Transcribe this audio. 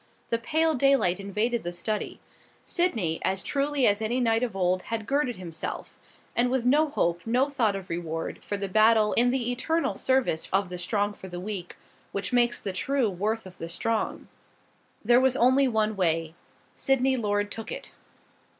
The pale daylight invaded the study. Sydney, as truly as any knight of old, had girded himself, and with no hope, no thought of reward, for the battle in the eternal service of the strong for the weak, which makes the true worth of the strong. There was only one way. Sydney Lord took it.